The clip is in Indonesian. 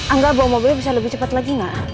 angga bawa mobilnya bisa lebih cepat lagi enggak